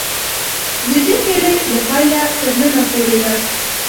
د دې پېړۍ له پیله تر ننه پورې ده.